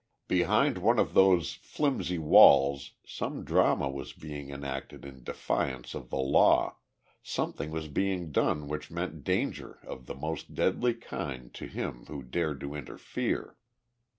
Behind one of those flimsy walls some drama was being enacted in defiance of the law something was being done which meant danger of the most deadly kind to him who dared to interfere.